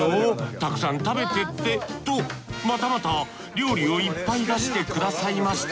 たくさん食べてってとまたまた料理をいっぱい出してくださいました。